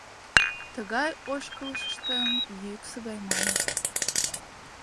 Тыгай ошкылтышым йӱксӧ гай маныт.